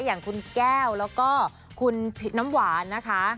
อย่างคุณแก้วแล้วก็คุณน้ำหวานนะคะ